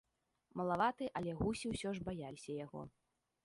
Малаваты, але гусі ўсё ж баяліся яго.